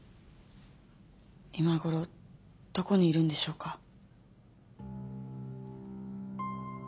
今ごろどこにいるんでしょうか。